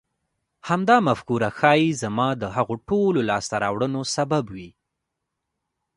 همدا مفکوره ښايي زما د هغو ټولو لاسته راوړنو سبب وي.